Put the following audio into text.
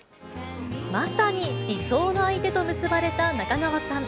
まさに理想の相手と結ばれた中川さん。